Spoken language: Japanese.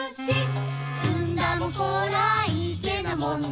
「うんだもこらいけなもんな」